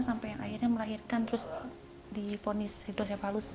sampai akhirnya melahirkan terus diponisi hidrosefalus